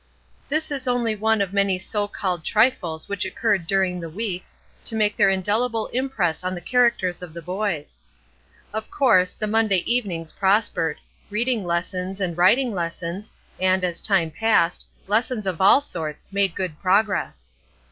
This is only one of many so called trifles which occurred during the weeks, to make their indelible impress on the characters of the boys. Of course, the Monday Evenings prospered. Reading lessons and writing lessons, and, as time passed, lessons of all sorts made good progress.